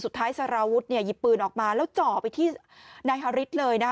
สารวุฒิหยิบปืนออกมาแล้วจ่อไปที่นายฮาริสเลยนะคะ